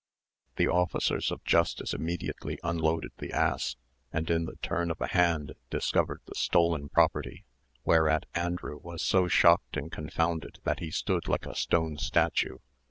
The officers of justice immediately unloaded the ass, and in the turn of a hand discovered the stolen property, whereat Andrew was so shocked and confounded that he stood like a stone statue.